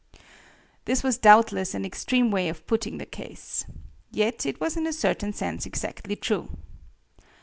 This was doubtless an extreme way of putting the case. Yet it was in a certain sense exactly true.